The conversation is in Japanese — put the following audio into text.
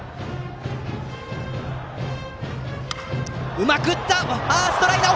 うまく打ったファーストライナー！